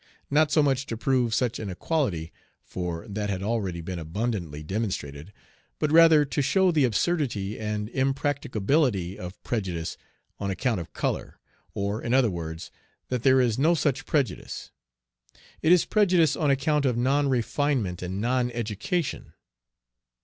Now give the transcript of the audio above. Not so much to prove such an equality for that had already been abundantly demonstrated but rather to show the absurdity and impracticability of prejudice on account of color; or, in other words, that there is no such prejudice. It is prejudice on account of non refinement and non education.